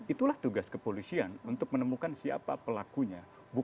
itulah tugas kepolisian untuk menemukan siapa pelakunya